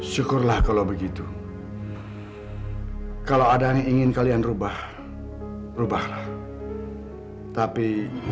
syukurlah kalau begitu kalau ada yang ingin kalian rubah rubahlah tapi